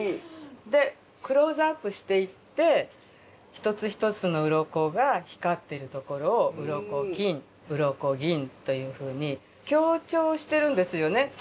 でクローズアップしていって一つ一つの鱗が光っているところを「鱗金鱗銀」というふうに強調してるんですよね。